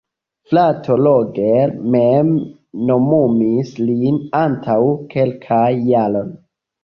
Frato Roger mem nomumis lin antaŭ kelkaj jaroj.